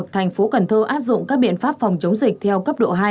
thành phố cần thơ áp dụng các biện pháp phòng chống dịch theo cấp độ hai